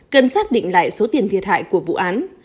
cần xác định lại số tiền thiệt hại của vụ án